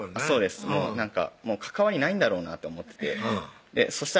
そうですなんか関わりないんだろうなと思っててそ